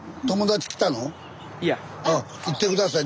あっ行って下さい。